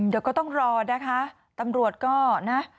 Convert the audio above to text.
เดี๋ยวก็ต้องรอนะคะตำรวจก็นะ